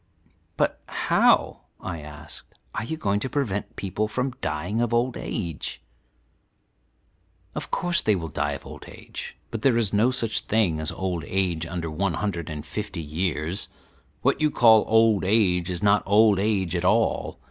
"But how," I asked, "are you going to prevent people from dying of old age?" "Of course they will die of old age; but there is no such thing as old age under one hundred and fifty years; what you call old age is not old age at all.